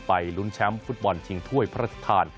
ลุ้นแชมป์ฟุตบอลชิงถ้วยพระราชทาน